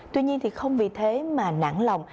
tuy nhiên thì không vì thế mà nản lòng